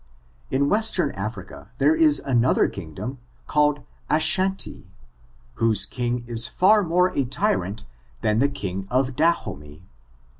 In Western Africa, there is another kindom, called Ashantee^ whose king is far more a tyrant than the king of Dahomey.